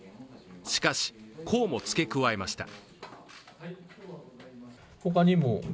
しかし、こうも付け加えました。